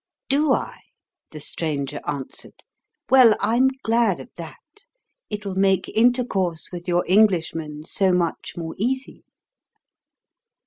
"Do I?" the stranger answered. "Well, I'm glad of that. It'll make intercourse with your Englishmen so much more easy."